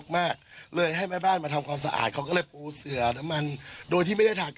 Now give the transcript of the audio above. ว่าเราไม่ได้เข้าไปกอดเข้าไปนัวเต็มที่เลย